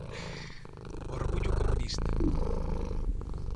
Orgullo comunista.